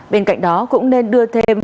bên cạnh đó cũng nên đưa thêm